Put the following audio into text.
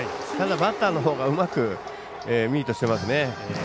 バッターのほうがうまくミートしてますね。